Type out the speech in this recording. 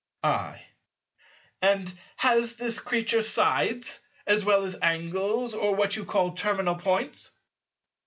I. And has this Creature sides, as well as Angles or what you call "terminal Points"?